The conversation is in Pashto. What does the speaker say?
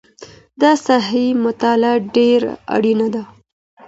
د ساحې مطالعه ډېره اړینه ده.